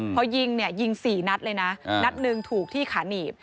พอยิงเนี่ยยิง๔นัดเลยนะนัดหนึ่งถูกที่ขาหนีบ